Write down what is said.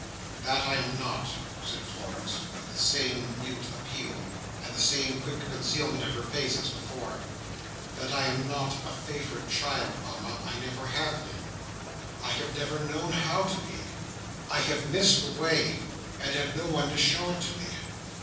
"That I am not," said Florence, with the same mute appeal, and the same quick concealment of her face as before, "that I am not a favourite child, Mama. I never have been. I have never known how to be. I have missed the way, and had no one to show it to me.